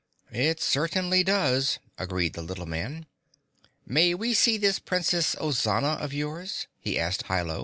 "It certainly does," agreed the little man. "May we see this Princess Ozana of yours?" he asked Hi Lo.